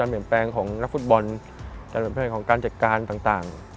การเปลี่ยนแปลงของนักฟุตบอลการเปลี่ยนแปลงของการจัดการต่าง